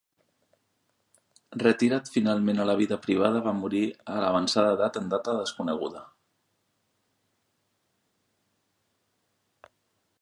Retirat finalment a la vida privada va morir a avançada edat en data desconeguda.